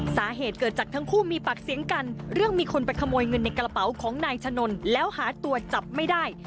สาเหตุเกิดจากทั้งคู่มีปากเสียงกันเรื่องมีคนไปขโมยเงินในกระเป๋าของนายชะนนแล้วหาตัวจับไม่ได้